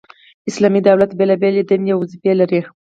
اسلامي دولت بيلابېلي دندي او وظيفي لري،